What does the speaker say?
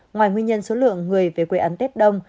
ngoài nguyên nhân số lượng người về quê ăn tết đông